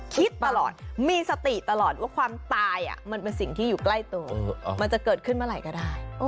คิดตลอดมีสติตลอดว่าความตายมันเป็นสิ่งที่อยู่ใกล้ตัวมันจะเกิดขึ้นเมื่อไหร่ก็ได้